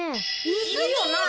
いるよな？